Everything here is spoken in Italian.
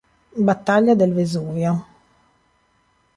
Battaglia del Vesuvio